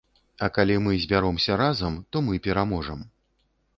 А калі мы збяромся разам, то мы пераможам.